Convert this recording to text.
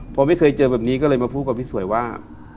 พอไม่เคยเจอแบบนี้ก็เลยมาพูดกับพี่สวยว่า